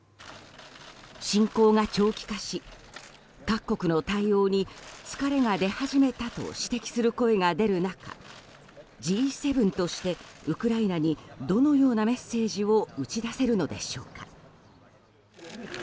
侵攻が長期化し、各国の対応に疲れが出始めたと指摘する声が出る中Ｇ７としてウクライナにどのようなメッセージを打ち出せるのでしょうか。